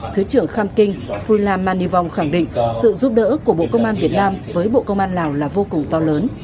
thứ trưởng kham kinh phu lam man nhi vong khẳng định sự giúp đỡ của bộ công an việt nam với bộ công an lào là vô cùng to lớn